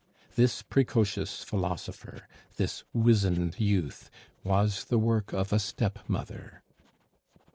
This precocious philosopher, this wizened youth was the work of a stepmother.